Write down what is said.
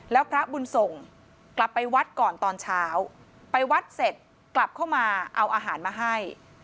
แล้วพระบุญส่งกลับไปวัดก่อนตอนเช้าไปวัดเสร็จกลับเข้ามาเอาอาหารมาให้